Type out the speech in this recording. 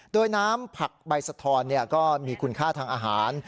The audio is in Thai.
โดยน้ำผักใบสะทอนก็มีคุณค่าทางอาหาร